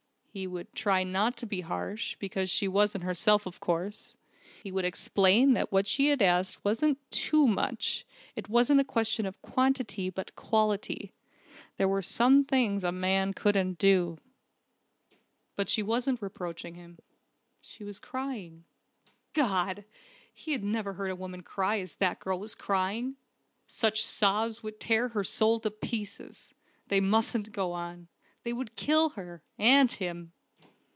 He would try not to be harsh, because she wasn't herself, of course. He would explain that what she asked wasn't "too much"; it wasn't a question of quantity but quality. There were some things a man couldn't do.... But she wasn't reproaching him. She was crying. God! he had never heard a woman cry as that girl was crying! Such sobs would tear her soul to pieces. They mustn't go on. They would kill her and him!